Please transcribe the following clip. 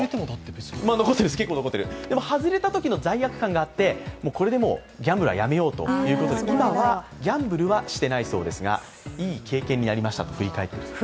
でも、外れたときの罪悪感があって、もうこれでギャンブルはやめようということで今はギャンブルはしていないそうですが、いい経験になりましたと振り返っています。